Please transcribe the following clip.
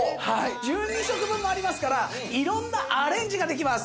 １２食分もありますから色んなアレンジができます。